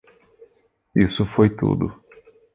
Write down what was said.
Isso foi tudo.